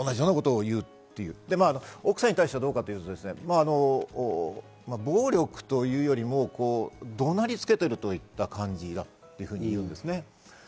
追い出したり、奥さんに対してどうかというと、暴力というよりも怒鳴りつけているといった感じだといいます。